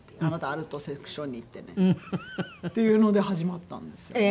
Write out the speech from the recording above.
あなたアルトセクションに行ってねっていうので始まったんですよ。